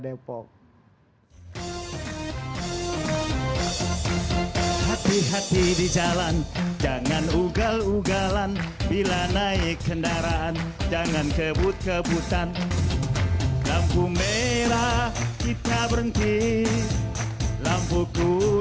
di lampu merah depok